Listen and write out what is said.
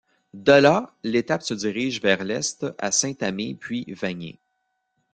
De là, l'étape se dirige vers l'est à Saint-Amé puis Vagney.